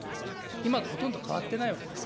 今とほとんど変わっていないわけです。